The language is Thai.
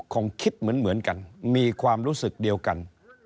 คงคิดเหมือนกันมีความรู้สึกเดียวกัน